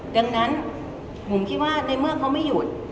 ดังนั้นผมคิดว่าในเมื่อเขาไม่หยุด